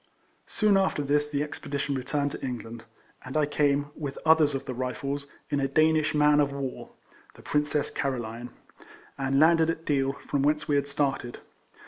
Soon after this the expedition returned to EIFLEMAN HAERIS. 23 England, and I came, with others of the Rifles, in a Danish man of war (the Princess Caroline), and landed at Deal, from whence we had started.